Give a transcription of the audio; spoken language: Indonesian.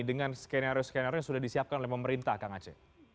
dengan skenario skenario yang sudah disiapkan oleh pemerintah kang aceh